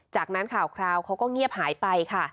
จากนั้นข่าวคราวเขาก็เงียบหายไปค่ะ